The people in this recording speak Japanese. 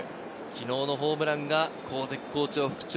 昨日のホームランが絶好調。